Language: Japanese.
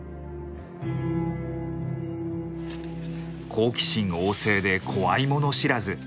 好奇心旺盛で怖いもの知らず。